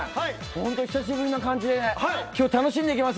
本当に久しぶりな感じで今日、楽しんできます。